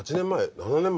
７年前？